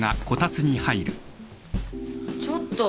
ちょっと。